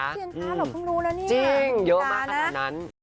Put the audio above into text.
เสียงตาเราเพิ่งรู้แล้วนี่จริงเยอะมากขนาดนั้น